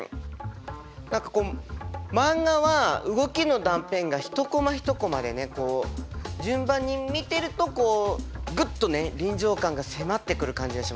何かマンガは動きの断片が一コマ一コマでね順番に見てるとグッとね臨場感が迫ってくる感じがしますね。